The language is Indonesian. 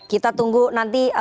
kita tunggu nanti